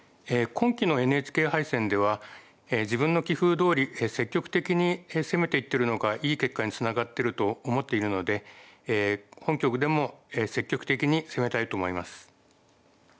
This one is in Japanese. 今期のＮＨＫ杯戦では自分の棋風どおり積極的に攻めていってるのがいい結果につながってると思っているので本局でも積極的に攻めたいと思います。